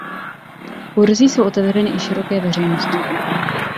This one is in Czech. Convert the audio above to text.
Kurzy jsou otevřeny i široké veřejnosti.